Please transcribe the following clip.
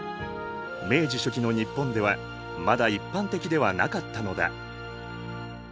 明治初期の日本ではまだ一般的ではなかったのだ。